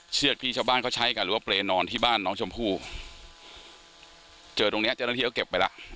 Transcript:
เชือกที่ชาวบ้านเขาใช้กันหรือว่าเปรย์นอนที่บ้านน้องชมพู่เจอตรงเนี้ยเจ้าหน้าที่เขาเก็บไปแล้ว